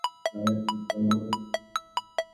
তার আহারের আয়োজন পুরানো অভ্যাসমতই।